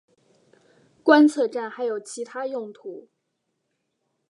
观测站还有其它用途。